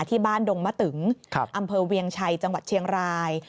ดงมะตึงอำเภอเวียงชัยจังหวัดเชียงราย